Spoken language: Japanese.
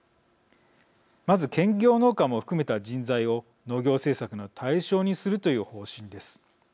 まず、兼業農家も含めた人材を農業政策の対象にするという方針です。